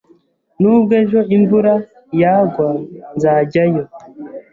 Nubwo ejo imvura yagwa, nzajyayo.